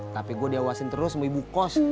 tapi gue diawasin terus sama ibu kos